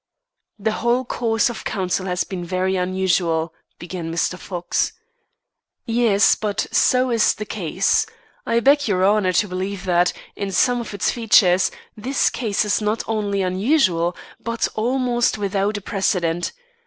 "The whole course of counsel has been very unusual," began Mr. Fox. "Yes, but so is the case. I beg your Honour to believe that, in some of its features, this case is not only unusual, but almost without a precedent.